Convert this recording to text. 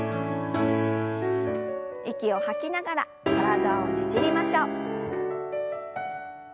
息を吐きながら体をねじりましょう。